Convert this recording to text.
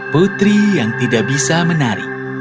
putri yang tidak bisa menari